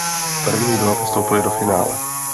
První dva postupovali do finále.